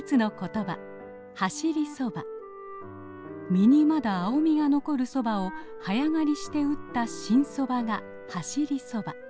実にまだ青みが残るソバを早刈りして打った新ソバが走り蕎麦。